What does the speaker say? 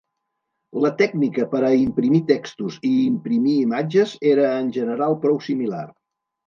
La tècnica per a imprimir textos i imprimir imatges era en general prou similar.